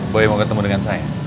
boy mau ketemu dengan saya